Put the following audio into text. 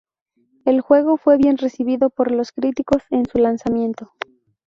El juego fue bien recibido por los críticos en su lanzamiento.